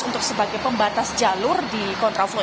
untuk sebagai pembatas jalur di kontra flow